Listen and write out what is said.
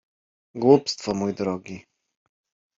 — Głupstwo, mój drogi.